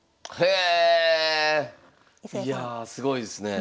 いやあすごいですね。